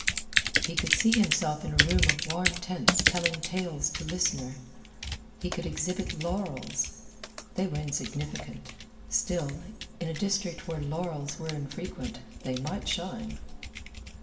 He could see himself in a room of warm tints telling tales to listeners. He could exhibit laurels. They were insignificant; still, in a district where laurels were infrequent, they might shine.